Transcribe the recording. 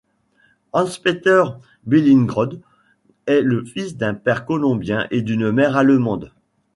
Hanspeter Billingrodt est le fils d'un père colombien et d'une mère allemande.